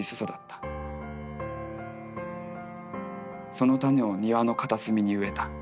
「その種を庭の片隅に植えた。